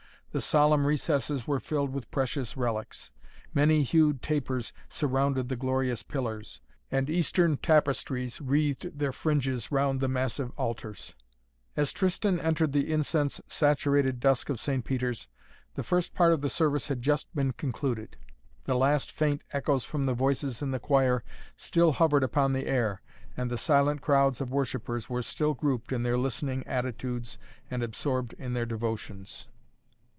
The solemn recesses were filled with precious relics. Many hued tapers surrounded the glorious pillars, and eastern tapestries wreathed their fringes round the massive altars. As Tristan entered the incense saturated dusk of St. Peter's, the first part of the service had just been concluded. The last faint echoes from the voices in the choir still hovered upon the air, and the silent crowds of worshippers were still grouped in their listening attitudes and absorbed in their devotions.